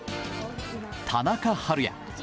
田中晴也。